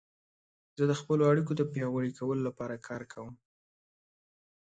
زه د خپلو اړیکو د پیاوړي کولو لپاره کار کوم.